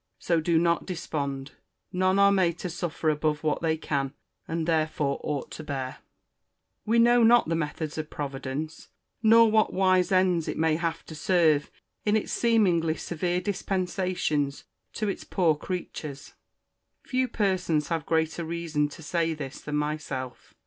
So do not despond. None are made to suffer above what they can, and therefore ought to bear. We know not the methods of Providence, nor what wise ends it may have to serve in its seemingly severe dispensations to its poor creatures. Few persons have greater reason to say this than myself.